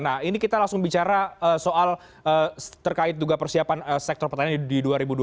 nah ini kita langsung bicara soal terkait juga persiapan sektor pertanian di dua ribu dua puluh